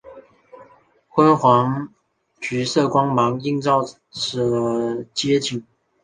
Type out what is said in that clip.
昏黄的橘色光芒映照着街景